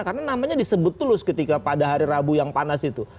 karena namanya disebut tulus ketika pada hari rabu yang panas itu